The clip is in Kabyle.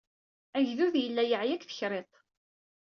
Agdud yella yeɛya deg tekriṭ.